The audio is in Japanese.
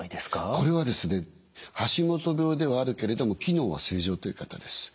これはですね橋本病ではあるけれども機能は正常という方です。